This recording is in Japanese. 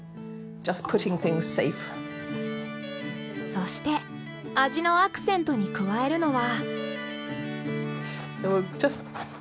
そして味のアクセントに加えるのは。